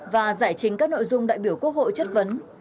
và giải trình các nội dung đại biểu quốc hội chất vấn